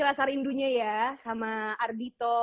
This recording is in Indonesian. rasarindunya ya sama ardhito